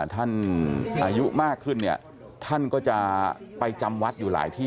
ท่านอายุมากขึ้นเนี่ยท่านก็จะไปจำวัดอยู่หลายที่